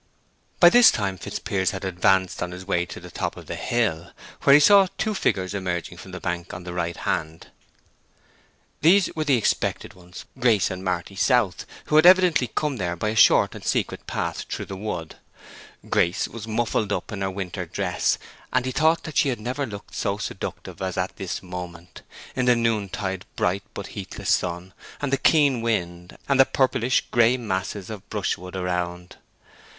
By this time Fitzpiers had advanced on his way to the top of the hill, where he saw two figures emerging from the bank on the right hand. These were the expected ones, Grace and Marty South, who had evidently come there by a short and secret path through the wood. Grace was muffled up in her winter dress, and he thought that she had never looked so seductive as at this moment, in the noontide bright but heatless sun, and the keen wind, and the purplish gray masses of brushwood around.